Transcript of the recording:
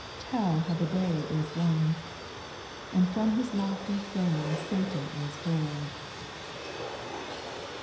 Tell how the day is won, And from his lofty throne Satan is hurl'd.